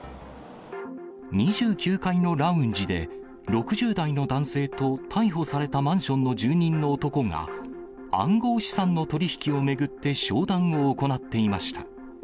２９階のラウンジで、６０代の男性と逮捕されたマンションの住人の男が、暗号資産の取り引きを巡って商談を行っていました。